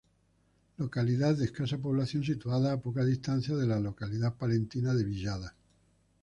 Localidad de escasa población situada a poca distancia de la localidad palentina de Villada.